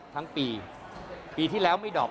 ทั้งปีปีที่แล้วไม่ดอบ